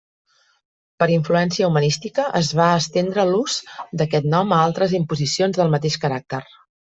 Per influència humanística, es va estendre l'ús d'aquest nom a altres imposicions del mateix caràcter.